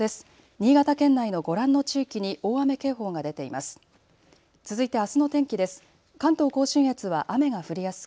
新潟県内のご覧の地域に大雨警報が出ています。